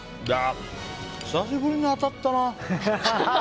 久しぶりに当たったな。